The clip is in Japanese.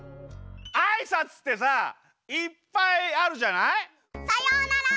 あいさつってさいっぱいあるじゃない？さようなら！